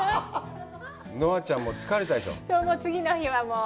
ノアちゃんも疲れたでしょう？